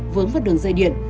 vướng vào đường rơi điện